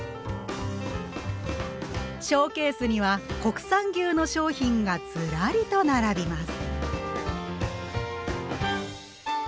ショーケースには国産牛の商品がずらりと並びます。